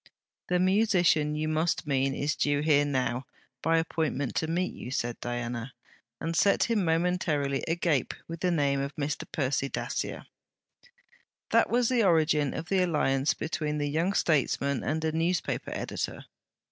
'The musician you must mean is due here now, by appointment to meet you,' said Diana, and set him momentarily agape with the name of Mr. Percy Dacier. That was the origin of the alliance between the young statesman and a newspaper editor.